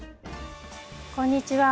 こんにちは。